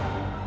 apa yang ada